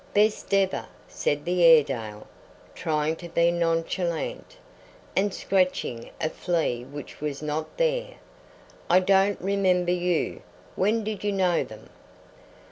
"Best ever," said the Airedale, trying to be nonchalant, and scratching a flea which was not there. "I don't remember you. When did you know them?"